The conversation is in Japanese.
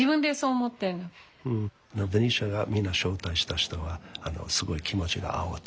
ベニシアがみんな招待した人はすごい気持ちが合うと。